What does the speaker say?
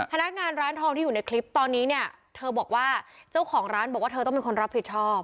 พนักงานร้านทองที่อยู่ในคลิปตอนนี้เนี่ยเธอบอกว่าเจ้าของร้านบอกว่าเธอต้องเป็นคนรับผิดชอบ